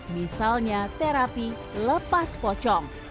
misalnya terapi lepas pocong